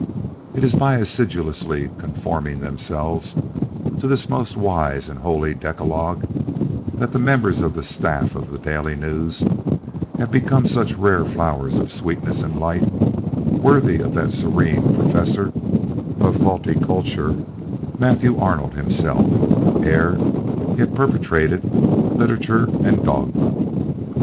It is by assiduously conforming themselves to this most wise and holy decalogue, that the members of the staff of the Daily News have become such rare flowers of sweetness and light; worthy of that serene Professor of Haughty culture, Matthew Arnold himself, ere he had perpetrated "Literature and Dogma."